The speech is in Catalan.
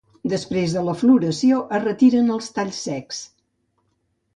Després de la floració es retiren els talls secs.